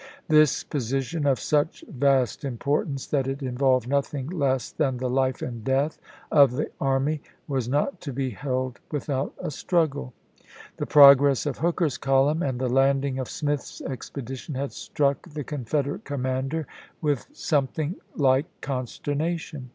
This position, of such vast importance that it involved nothing less than the life and death of the army, was not to be held mthout a struggle. The progress of Hooker's column and the landing of Smith's expedition had struck the Confederate 126 ABRAHAM LINCOLN CHAP. V. commander with something like consternation.